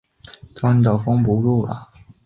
此时县治由罗家坪迁至洣水北岸。